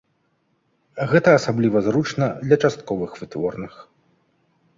Гэта асабліва зручна для частковых вытворных.